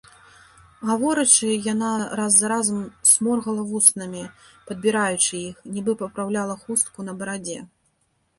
Гаворачы, яна раз за разам сморгала вуснамі, падбіраючы іх, нібы папраўляла хустку на барадзе.